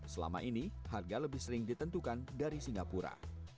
selama ini harga lebih sering ditentukan dari singapura